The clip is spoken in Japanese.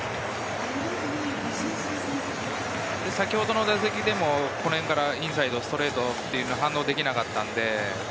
先ほどの打席でも、この辺からインサイド、ストレートに反応できなかったので。